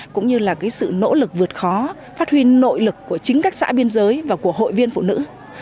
cũng như là sự nỗ lực vượt khó phát huy nội lực của chính các xã biên giới và của hội viên phụ nữ